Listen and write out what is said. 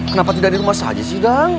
kenapa tidak di rumah saja sih nang